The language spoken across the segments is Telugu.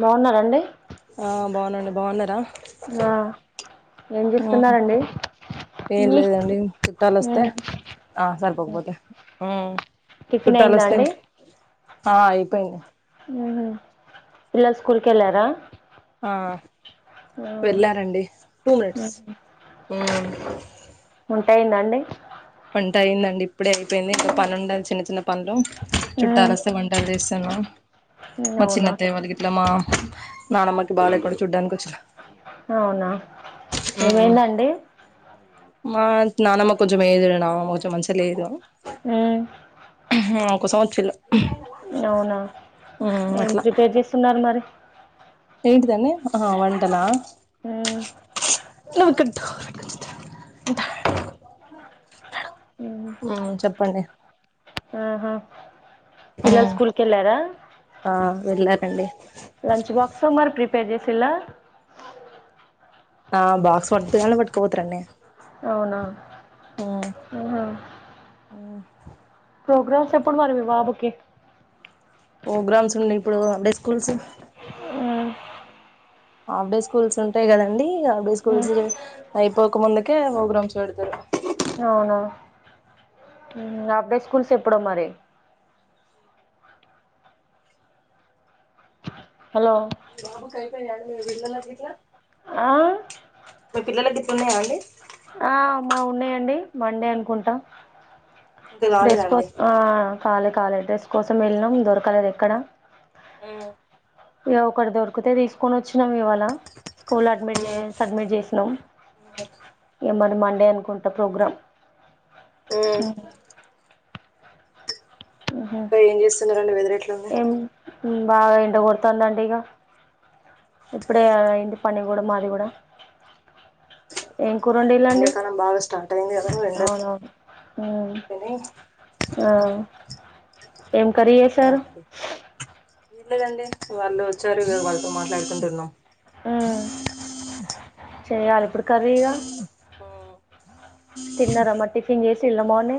బావున్నారండి ఆ బాగునండి బాగున్నారా ఏం చేస్తున్నారండి ఏం మీ లేదండి చుట్టాలు వస్తే ఉమ్ ఆ సరిపోకపోతే మ్... టిఫిన్ చుట్టాలు అయిందా వస్తే అండి ఆ అయిపోయింది పిల్లలు స్కూల్ కెవెళ్ళారా ఆ వెళ్ళారండి టూ ఉహు మినిట్స్ ఆ వంట అయ్యిందాఅండి వంట అయ్యిందండి ఇప్పుడే అయిపోయింది ఇంక పను ఉండా చిన్న చిన్న పడుం ఉమ్ చుట్టాలస్తే వంట తె [unintelligible] మా చిన్న అవునా త మలుగట్లమ్మా నానమ్మకి బాలేకున చూడ్డానికి వచ్చిన అవునా ఏమైందండి మా నానమ్మ కొంచెం ఏదు నా అమ్మ కొంచెం మంచిలేదు హ ఒకసంచ్చి అవునా ఏం ప్రిపేర్ చేస్తున్నారు మరి ఏంటి తనేే ఆ వంటలా హ నకంటూ ఆ అ ఆ చెప్పండి ఆహా పిల్లలు స్కూల్కి వెళ్ళారా అండి లంచ్ బాక్స్ మరి ప్రిపేర్ చేస్త సిలా ఆ బాక్స్ ఫట్క ఫట్క పోతారు అండి అవునా హుహు ప్రోగ్రామ్స్ ఎప్పుడు మరీ మీ బాబుకి ప్రోగ్రామ్స్ ఉన్నాయి ఇప్పుడు అంటే schools um half day schools ఉంటాయి కదండి హాఫ్ డే స్కూల్స్ ఉమ్ అయిపోక ముందుకే ప్రోగ్రామ్స్ పెడతారు హాఫ్డే స్కూల్స్ ఎప్పుడో మరి హలో [unintelligible] ఆ మీ పిల్లల తిప్పున్నాయా అండి ఆ మా ఉన్నాయండి మండే అనుకుంటా ఇంకా కాలేదా అండి రెస్కోస్ ఆ కాలే కాలే డ్రెస్ కోసం వెళ్ళినాం దొరకలేదు ఎక్కడ హుం ఇగ ఒకటి దొరికితే తీసుకొని వచ్చినాం ఇవాళ స్కూల్ అడ్మిట్ ఉమ్ సబ్మిట్ చేసినం మన మండే అనుకు వంట ప్రోగ్రాం ఉమ్ హుం ఇంకా ఏం చేస్తున్నారు అండి వెదర్ ఎట్లా ఉంది ఏం బాగా ఎండకొడుతుంది అండి ఇగ ఇప్పుడే కదా అయింది పని కూడా మాది కూడా ఏం కూర వండిన్రు అండి ఎండాకాలం బాగా స్టార్ట్ అయింది కదా ఎండ అవును బాగా హ్మ్ ముదిరిపోయినాయి ఆ ఏం కర్రీ చేశారు వీర్లేదండి వాళ్ళు వచ్చారు వాళ్ళతో మాట్లాడుకుంటున్నాం ఉహ్ చేయాలా ఇప్పుడు కర్రీగా ఆ తిన్నార మరి టిఫిన్ చేేసి చిల్మోని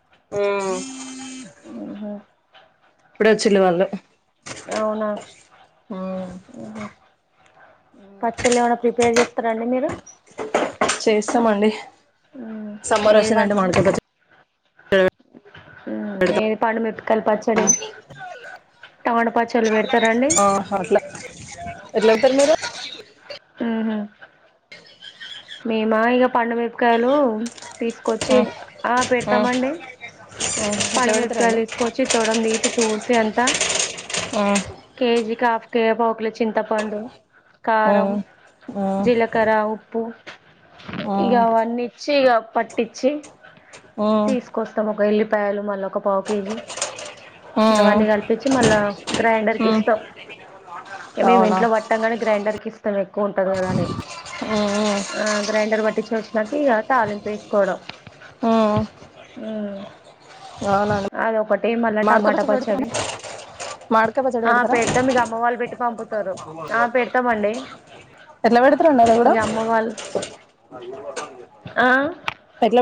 హుం ఉహుమ్ ఇప్పుడు వచ్చిళు వాళ్ళు అవునా మ్మ్ ఊహు పచ్చళ్లు ఏమనా ప్రిపేర్ చేస్తారాండి మీరు చేస్తామండి సమ్మర్ ఏదివ వచ్చిందంటే మామిడికాయ పచ్చడి ఏది పండుమిరపకాయ పచ్చడి టమాటా పచ్చళ్ళు పెడతారండి ఎట్ల ఎల్తరు మీరు ఉహు మేమా ఇక పండు మిరపకాయలు తీసుకొచ్చి మ్మ్ ఆ మ్మ్ పెడతమండి మ్మ్ ఎట్లా పెడతారండి పండుమిరపకాయలు తీసుకొచ్చి తొడం తీసి తూర్సి చేయంత మ్మ్ కేజికి ఆఫ్ కే పావుకిల చింతపండు కారం మ్మ్ మ్మ్ జీలకర ఉప్పు హ ఇగ మ్మ్ వన్ని ఇచ్చి ఇగ పట్టిచ్చి మ్మ్ తీసుకొస్తాం ఒక ఎల్లి బేళ్లు మల్ల ఒకపావు కేజీ ఇవన్నీ కల్పించి మల్ల గ్రైండర్ మ్మ్ మ్మ్ కిస్తం మేము అవునా ఇంట్లో పట్టాంగని గ్రైండర్ కి ఇస్ ఎక్కువ ఉంటది కదా అని ఆ గ్రైండర్ వ ఇంకా చేసినాక తాలింపు వేసుకోవడం అవునండి అదొకటి మళ్ళ మాడకాయ టమాట పెడతారా పచ్చడి మాడకాయ పచ్చడి ఆ పెడతారా పెడతాం ఇగ అమ్మ వాళ్ళు పెట్టి పంపుతారు ఆ పెడతమండి ఎట్ల పెడుతరు అది కూడ వాళ్ళు ఆ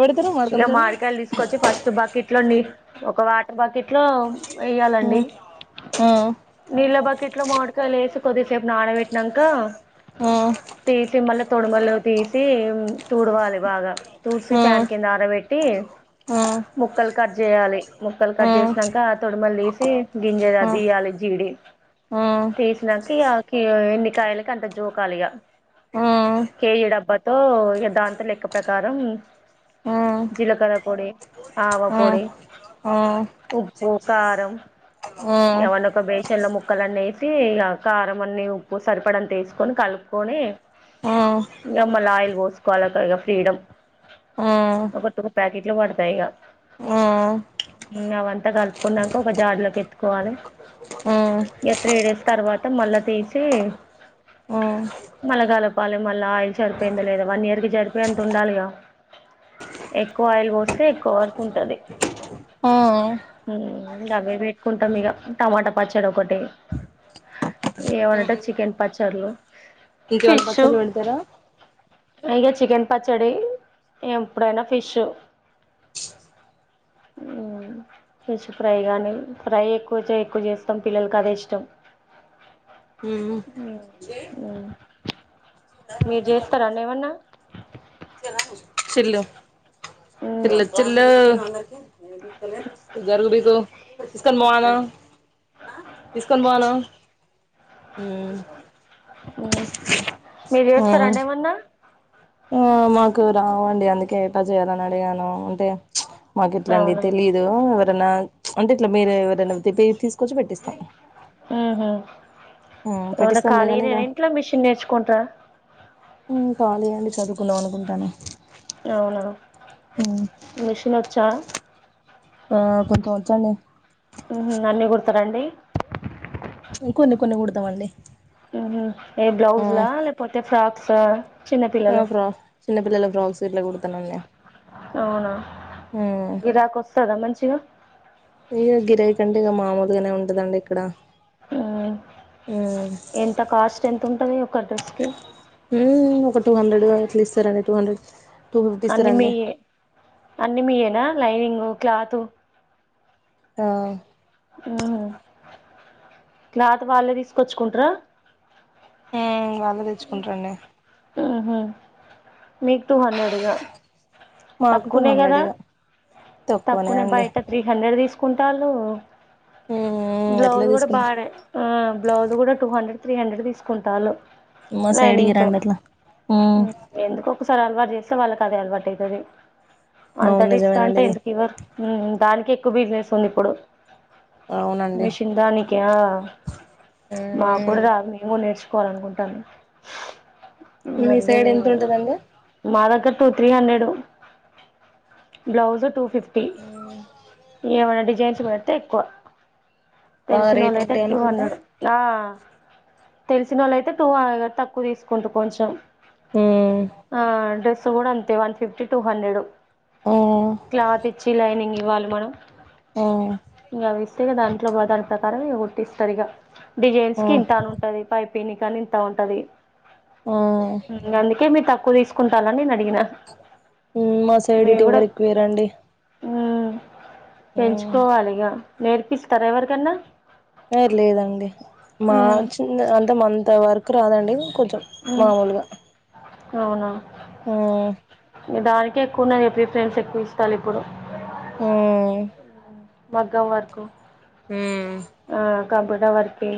పెడతారు మాడకాయ ఇగ పచ్చడి మామిడికాయలు తీసుకోచ్చి ఫస్ట్ బాకీట్ తేండి ఒక వాటర్ బకెట్ లో వేయ్యాలండి హ్మ్ హ్మ్ నీళ్ళ బత్ బకిట్లొ మామిడికాయలేసి కొద్దిసేపు నానాబెట్టినాంక హ్మ్ తీసి మళ్ళ తొడుమలు తీసి తుడవాలే బాగా తుడిసి ఫ్యాన్ హ్మ్ కింద ఆరబెట్టి హ్మ్ ముక్కలు కట్ చేయాలి ముక్కలు కట్ హ్మ్ చేసినంక ఆ తొడిమలు తీసి గింజది హ్మ్ హ్మ్ హ్మ్ హ్మ్ ఆదీయాలి జీడి హ్మ్ హ్మ్ హ్మ్ హ్మ్ తీసినాక ఇగ కి ఎన్నికాయలకు అంత జోకాలిగ హ్మ్ కేజి డబ్బతో ఇగ దాంత లెక్క ప్రకారం హ్మ్ జీలకర్ర పొడి, ఆవ పొడి, ఉప్పు, కారం ఇగ అవన్ని ఒక బేషన్ ల ముక్కలనేసి కారం అన్ని ఉప్పు సరిపడంత ఎస్ కొని కలుపుకొని ఇగ మళ్ళ ఆయిల్ పోసుకోవాల ఒక ఇగ ఫ్రీడమ్ ఒక టూ ప్యాకెట్లు పడతాయి ఇగ అవంత కలుపుకునంక ఒక జాడిలో ఎత్తుకోవాలె హ్మ్ ఇగ త్రీ డేస్ తర్వాత మళ్ళ తీసి మళ్ళ కలపాలే మళ్ళ ఆయిల్ సరిపోయిందొ లేదా వన్ ఇయర్ కి సరిపోయంత ఉండాలిగ ల ఎక్కువ ఆయిల్ పోస్తే ఎక్కువ వరకు ఉంటది హ్మ్ అవే పెట్టుకుంటాం ఇగ టమాటా పచ్చడ ఒకటి ఏమన్నటె చికెన్ పచ్చ పర్లో ఇంకేవన్నా పచ్చల్లు పెడతరా ఇంగ చికెన్ పచ్చడి ఎప్పుడైన ఉ ఫిష్ ఫిష్ ఫ్రై కానీ ఫ్రై ఎక్కువ ఎక్కువ చేస్తాం పిల్లలకి అదే ఇష్టం మీరు చేస్తర అండి ఏమన్న చేయిల తిల చిళ్ళు గరు [unintelligible] బిగు స్కాన్మోల్ మ తీస్కొ [unintelligible] ని ఆ బోవాల మీరు చేస్తారా అండి ఏమన్నా ఆ మాకు రావండి అందుకే ఎట్టా చేయాలని అడిగాను అంటే చ్ఛ్ మాకు అవునా ఇట్లాంటివి తెలీదు ఎవరన్నా అంటే ఇట్లా మీరు ఎవరన్నా తీసుకొచ్చి పెట్టిస్తా ఊహు అవున పెట్టిస్తాంలే కానీ కాలీనే ఇక ఇంట్లో మిషన్ నేర్చుకుంట ఊ ఖాళీ అండి చదువుకుందాం అనుకుంటాన్న అవునా మెషిన్ వచ్చా ఆ కొంచెం వచ్చండి రండి కొన్ని కొన్ని కుడతమండి హుమ్ ఏ బ్లౌజ్లా లేకపోతే ఫ్రాక్ స ఆ [unintelligible] ఫ్రక్ చిన్నపిల్లల ఫ్రోక్స్క్ ఇట్ల కుడతున్నవో అవునా టు ఉ గిరాకీ ఉంటే మామూలుగానే ఉంటదండి ఇక్కడ మ్మ్ ఉమ్ ఎంత కాస్ట్ ఎంత ఉంటది ఒక్క డ్రెస్ కి ఊమ్ ఒక టూ హండ్రెడూ అట్లా ఇస్తారండి టూ హండ్రెడ్ టూ ఫిఫ్టీ అన్ని ఇస్తారండి మీయే అన్ని మీయేన లైనింగు క్లాతూ ఆ హ క్లాత్ వాళ్ళే తీసుకొచ్చుకుంటరా ఎం గల్ నేను తెచ్చుకుంట అండి ఆహ మీకు టూ హండ్రెడ్ ఇగ మాకు టూ తక్కువనే హండ్రెడ్ గదా ఇగ తక్కువనే బయట త్రీ హండ్రెడ్ తీసుకు కుంటాళ్ళు ఉమ్ అట్లే బ్లౌజ్ గూడా తీసుకుంటారు బాగానే ఆ బ్లౌజ్ గూడా టూ హండ్రెడ్ త్రీ హండ్రెడ్ తీసుకుంటాను మా సైడికి రండి అట్లా ఒక్కసారి అలవాటు చేస్తే వాళ్ళకి అదే అలవాటు అయితది అవును అంతట ఇస్తా నిజమేనండి అంటే ఇది ఎందుకు ఇవ్వరు హ్మ్ దానికి ఎక్కువ బిజినెస్ ఉంది ఇప్పుడు అవునండి మిషన్ దానికి ఆ మా కూడా రాదు మేము నేర్చు కోవాలి అనుకుంటాను మీ సైడ్ ఎంత ఉంటది అండి two three hundred blouse two fifty um టి ఏమనటి జైంట్స్ బడితే ఎక్కువ బాగా తెలిసినోళ్లు రేట్లు అయితే ఉంటాయి టూ అనుకుంటా హండ్రెడ్ ఆ తెలిసి నోళ్లు అయితే టూ ఆ తక్కు ఉక్కు తీసుకుంటూ కొంచెం ఉమ్ ఆ డస్ చూడు అంతే one fifty two hundred um cloth ఇచ్చి లైనింగ్ లు వాళ్ళు మనం ఉమ్ ఉంగ వీస్ సిగా దాంట్లో బతాని ప్రకారం ఇగ కుట్టిస్తారు ఇగ డిజైన్స్ కి ఉమ్ ఇంత అని ఉంటది పైప్ పిన్ని కాని ఇంత ఉంటది ఆ అందుకే మీ తప్పు క్కువ తీసుకుంటాల్లని నడిప్ ఉమ్ మా సైడ్ ఇటెవ్వరెక్కువీయరండి. పెన్చుకోవాలిగా నేర్పిస్తరా ఎవరికన్నా ఏ లేదండి, మా మ్మ్ చిన్న అంత మంత వర్ క్ రాదండి కొంచెం మ్మ్ మామూలుగా అవునా ఆ దానికే ఎక్కువ ఉన్నది, ప్రిఫరెన్స్ ఎక్కువ ఇస్తాలిప్పుడు. ఆ మగ్గం వర్కు ఆ కంప్యూటర్ వర్కి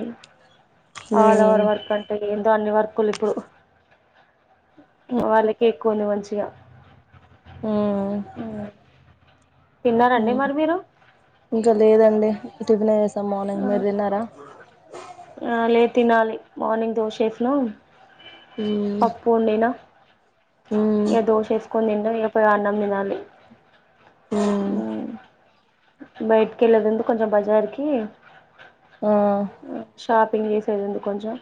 um all over um work అంటె ఏం దాన్ని వర్కులిపుడు వాళ్ళకి కొందే మంచిగా హ్మ్ తిన్నారండి హ్మ్ మరి మీరు ఇంకా లేదండి ట్టిగనేస్ త మార్నింగ్ మీరు తిన్నరా [unintelligible] ఆ లే తినాలి, మార్నింగ్ దోసేసినా ఉమ్ పప్పొండినా ఉమ్ ఇగ దోషెస్కొని తిన్నం, ఇగ పోయ్ అన్నం తినాలి. ఉమ్ బయటికెళ్ళేదుంది కొంచెం బజార్కి, ఆ ఆ షాపింగ్ చేస్ సర్దైంది కొంచెం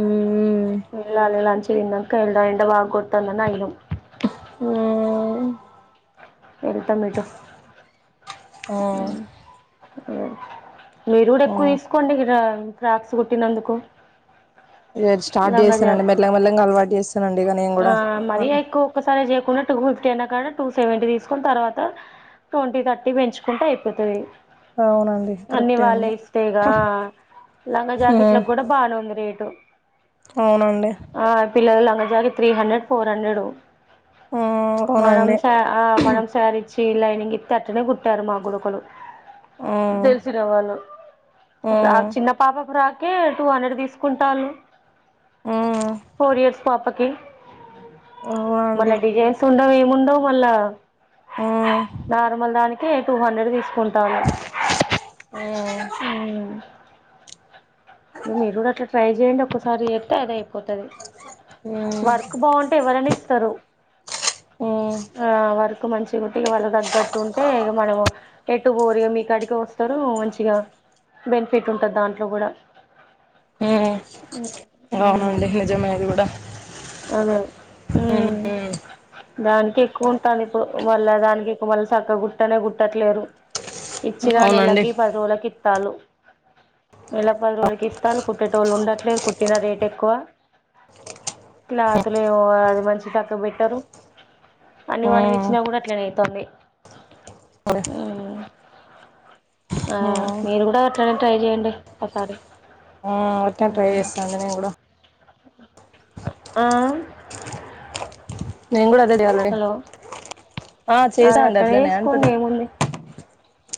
ఉమ్ ఇంక గాలే లంచ్ తిన్నంక ఈడ ఎండ బాగ్గొడ్తాందనాగినం. ఓ వెళ్తమిటు ఆ అ మీరు గూడెక్కువ ఆ తీసుకోండి, రా ఫ్రాక్స్ గుట్టినందుకు ఇగ స్టార్ట్ లంగా చేస్తానండి జాక్ మెల్లగా మెల్లగా అలవాటు చేస్తానండి ఇగ నేను ఆ కూడా మరి ఎక్కువ ఒక్కసారే చేయకుండా టూ ఫిఫ్టీ అయినా కాడ టూ సెవెంటీ తీసుకొని తర్వాత ట్వంటీ థర్టీ పెంచుకుంటే అయిపోతది అవునండి అన్ని కరెక్టే వాళ్ళే అండి ఇస్తె ఇగా లంగా హ్మ్ జాకెట్లలకు కూడా బానే ఉంది రేటు అవునండి ఆ పిల్లగలం [unintelligible] త్రీ హండ్రెడ్ ఫోర్ హండ్రెడు హ్మ్ అవునండి మనంసా ఆ మనంసారి చీర లైనింగ్ ఇతే అట్టనే కుట్టారు మా గుడుకులు హ్మ్ తెలిసిన వాళ్ళు హ్మ్ ఫ్రాక్ చిన్న పాప ఫ్రాక్ ఓకే టూ హండ్రెడ్ తీసుకుంటాలు హ్మ్ ఫోర్ ఇయర్స్ పాపకి మళ్ళ అవునండి డిజైన్స్ ఉండవి ఎం ముందు మళ్ళ హ్మ్ నార్మల్ దానికే టూ హండ్రెడ్ తీసుకుంట టాలు హ్మ్ ఇగ మీరు కూడా అట్లా ట్రై చేయండి ఒక్కసారి చేతే అదే అయి పోతది హ్మ్ వర్క్ బాగుంటే ఎవరైన ఇస్తారు హ్మ్ ఆ వర్క్ ఇంక మంచిగుటిన వాళ్ళ దగట్టు ఉంటే ఇగ మనము ఎటు బోరిగా మీకాడికే వస్తారు మంచిగా బెనిఫిట్ ఉంటది దాంట్లో కూడా హ్మ్ అవునండి ఉమ్ నిజమే అది కూడా అదే హ్మ్ దానికే కువ ఉంటాది ఇప్పుడు మళ్ళా దానికి ఇక మళ్ళీ సక్కగా గుట్టనే గుట్టట్లేరు ఇచ్చిన అవునండి నెలకి పది రోలకి తాలూ నెళ్లప్పరోళ్ళకి ఇస్తంరు కుట్టేట్టోలు ఉండట్లేర్ కుటిన రేట్ టెకువ క్లాతులేవో అది మంచి సక్కగా బెటరు అని మనం హ్మ్ ఇచ్చినా కూడా అట్లనే అయితాంది హ్మ్ మ్ ఆ హ్మ్ మీరు కూడా ట్రై చేయండి ఇసారి ఆ ఒకే ట్రై చేస్తా అండి నేను కూడా ఆ నేను కూడా అదే దేవలడి హలో ఆ చేసా అది అండి అట్లనే అంటున్న చేసుకోండి ఏముంది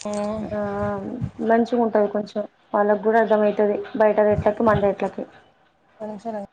హు మంచిగ ఉంటుంది కొంచెం వాళ్ళకి కూడా అర్థం ఐతది బయటది రేట్లకి మన రేట్లకి పదినిముషాలు ఆగు